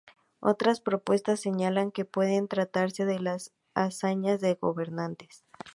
Otras propuestas señalan que puede tratarse de las hazañas de gobernantes.